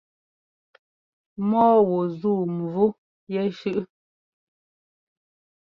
Mɔ́ɔ wu zúu mvú yɛshʉ́ʼʉ?